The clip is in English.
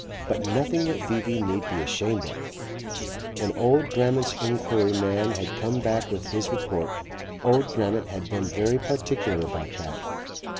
But nothing that V.V. need be ashamed of. When old Grammont's enquiry man had come back with his report, old Grammont had been very particular about that.